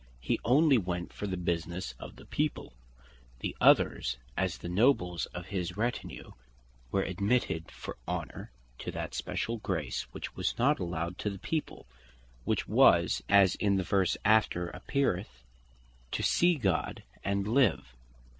He onely went for the businesse of the people; the others, as the Nobles of his retinue, were admitted for honour to that speciall grace, which was not allowed to the people; which was, (as in the verse after appeareth) to see God and live.